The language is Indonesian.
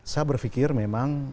saya berfikir memang